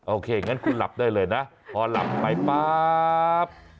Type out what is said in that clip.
โอเคงั้นคุณหลับได้เลยนะพอหลับไปป๊าบ